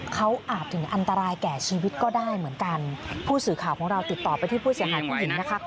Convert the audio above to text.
เขาอาจถึงอันตรายแก่ชีวิตก็ได้เหมือนกันผู้สื่อข่าวของเราติดต่อไปที่ผู้เสียหายผู้หญิงนะคะ